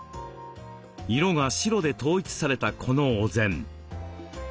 色が白で統一されたこのお膳。